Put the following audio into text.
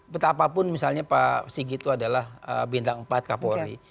betapapun misalnya pak sigit itu adalah bintang empat kapolri